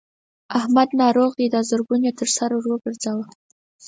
احمد ناروغ دی؛ دا زرګون يې تر سر ور ګورځوه.